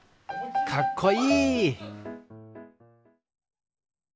かっこいい！